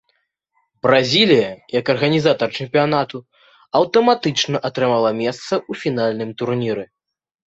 Бразілія як арганізатар чэмпіянату аўтаматычна атрымала месца ў фінальным турніры.